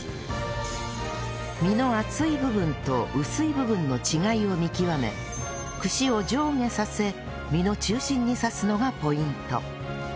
身の厚い部分と薄い部分の違いを見極め串を上下させ身の中心に刺すのがポイント